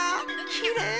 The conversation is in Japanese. きれい。